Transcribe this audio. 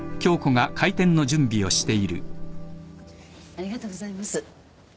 ありがとうございます。